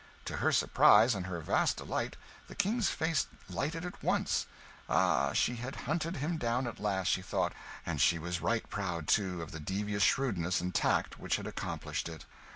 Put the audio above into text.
To her surprise, and her vast delight, the King's face lighted at once! Ah, she had hunted him down at last, she thought; and she was right proud, too, of the devious shrewdness and tact which had accomplished it.